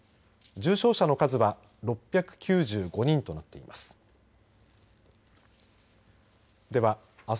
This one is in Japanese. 重症者の数は６９５人となっています。